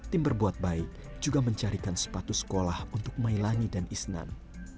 tim berbuat baik juga mencarikan sepatu sekolah untuk mailangi dan isnan